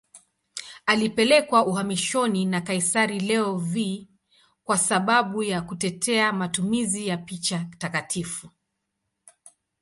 Alipelekwa uhamishoni na kaisari Leo V kwa sababu ya kutetea matumizi ya picha takatifu.